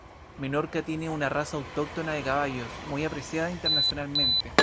Menorca tiene una raza autóctona de caballos, muy apreciada internacionalmente.